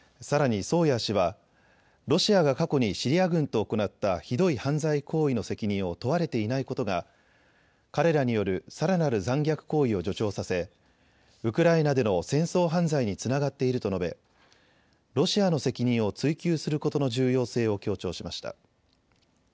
さらにソーヤー氏はロシアが過去にシリア軍と行ったひどい犯罪行為の責任を問われていないことが彼らによるさらなる残虐行為を助長させウクライナでの戦争犯罪につながっていると述べ、ロシアの責任を追及することの重要性を強調しました。